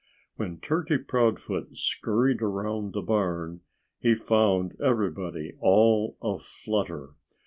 When Turkey Proudfoot scurried around the barn he found everybody all a flutter.